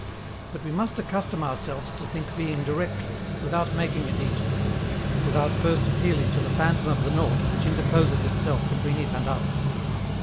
But we must accustom ourselves to think being directly, without making a detour, without first appealing to the phantom of the nought which interposes itself between it and us.